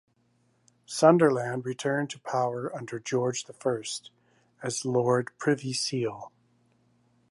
Sunderland returned to power under George the First, as Lord Privy Seal.